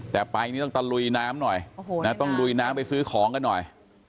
แต่ไปนี่ต้องตะลุยน้ำหน่อยต้องลุยน้ำไปซื้อของกันหน่อย